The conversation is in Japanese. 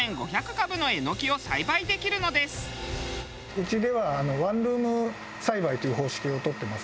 うちではワンルーム栽培という方式をとってます。